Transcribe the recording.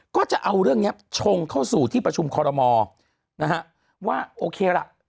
ก็จะเอาเรื่องนี้ชงเข้าสู่ที่ประชุมคอรมอนะฮะว่าโอเคล่ะ